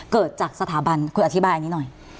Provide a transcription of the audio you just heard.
เกิดจากสถาบันคุณอธิบายอันนี้หน่อย